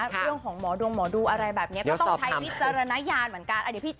ยังของหมอดวงหมอดูอะไรแบบนี้